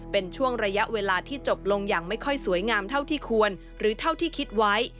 เป็นช่วงระยะเวลาที่จบลงอย่างไม่ค่อยสวยงามเท่าที่ควรหรือเท่าที่คิดไว้